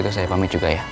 atau saya pamit juga ya